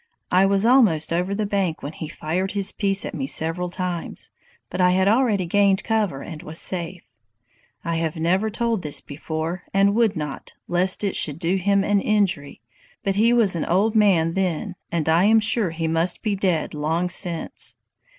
I was almost over the bank when he fired his piece at me several times, but I had already gained cover and was safe. I have never told this before, and would not, lest it should do him an injury, but he was an old man then, and I am sure he must be dead long since.